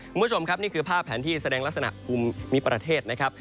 คุณผู้ชมครับนี่คือภาพแผนที่แสดงลักษณะภูมิประเทศนะครับ